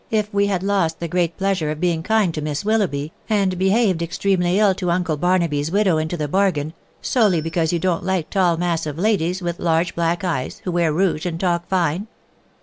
if we had lest the great pleasure of .being kind to Miss Willoughby, and behaved extremely ill to* uncle Isamaby'a widow into the bargain, solely because you* don't like tall massure ladies, with large black; eyes, who wear rouge, and calk tine